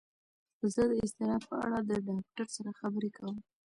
زه د اضطراب په اړه د ډاکتر سره خبرې کوم.